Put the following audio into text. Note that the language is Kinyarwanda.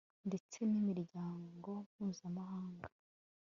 ndetse n'imiryango mpuzamahanga